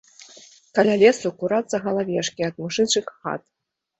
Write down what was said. Каля лесу курацца галавешкі ад мужычых хат.